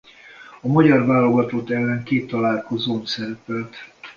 A magyar válogatott ellen két találkozón szerepelt.